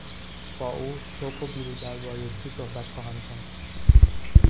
با او رک و بی رو در بایستی صحبت خواهم کرد.